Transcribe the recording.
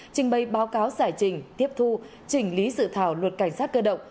trình bày báo cáo giải trình tiếp thu trình lý sự thảo luật cảnh sát cơ động